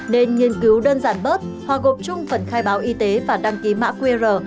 nên nghiên cứu đơn giản bớt hoặc gộp chung phần khai báo y tế và đăng ký mã qr